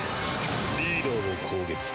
リーダーを攻撃。